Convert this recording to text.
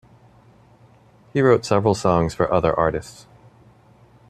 He wrote several songs for other artists.